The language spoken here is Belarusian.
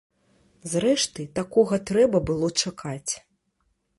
Зрэшты, такога трэба было чакаць.